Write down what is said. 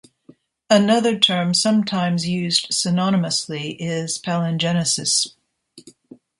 Another term sometimes used synonymously is palingenesis.